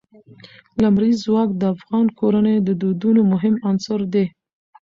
لمریز ځواک د افغان کورنیو د دودونو مهم عنصر دی.